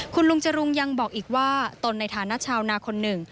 คุณลุงจรุงยังบอกอีกว่าตนในฐานะชาวนาคนหนึ่ง